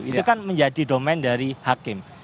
itu kan menjadi domen dari hakim